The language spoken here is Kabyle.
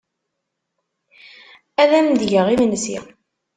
Ad am-d-geɣ imensi.